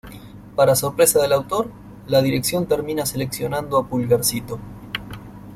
Para sorpresa del autor, la dirección termina seleccionando a Pulgarcito.